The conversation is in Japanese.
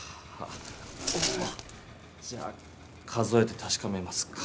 じゃ数えて確かめますか。